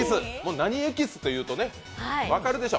何エキスというと、分かるでしょ。